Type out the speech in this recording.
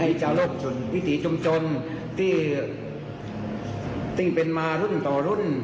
ให้เจ้าโลกวิธีจลุมฌลที่ติ้งเป็นมารุ่นต่อรุ่น